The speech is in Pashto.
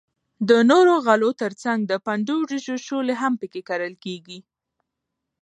د نورو غلو تر څنگ د پنډو وریجو شولې هم پکښی کرل کیږي.